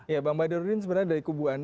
ya pak mbak daududin sebenarnya dari kubu anda